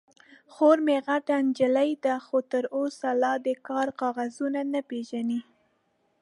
_خور مې غټه نجلۍ ده، خو تر اوسه لا د کار کاغذونه نه پېژني.